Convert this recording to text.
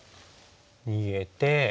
逃げて。